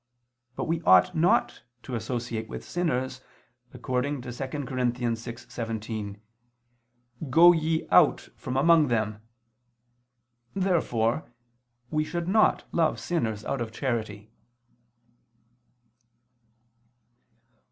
But we ought not to associate with sinners, according to 2 Cor. 6:17: "Go ye out from among them." Therefore we should not love sinners out of charity.